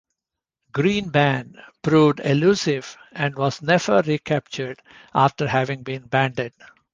"Green Band" proved elusive, and was never recaptured after having been banded.